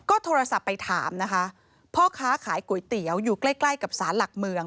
ก็โทรศัพท์ไปถามนะคะพ่อค้าขายก๋วยเตี๋ยวอยู่ใกล้ใกล้กับสารหลักเมือง